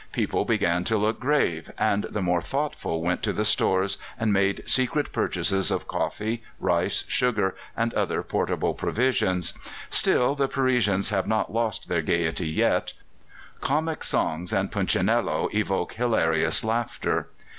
People began to look grave, and the more thoughtful went to the stores, and made secret purchases of coffee, rice, sugar, and other portable provisions. Still, the Parisians have not lost their gaiety yet; comic songs and punchinello evoke hilarious laughter.